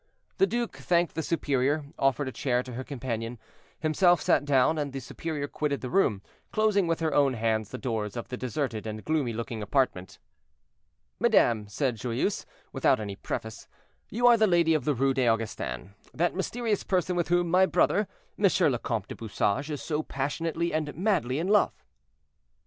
The duke thanked the superior, offered a chair to her companion, himself sat down, and the superior quitted the room, closing with her own hands the doors of the deserted and gloomy looking apartment. "Madame," said Joyeuse, without any preface, "you are the lady of the Rue des Augustins; that mysterious person with whom my brother, Monsieur le Comte du Bouchage, is so passionately and madly in love."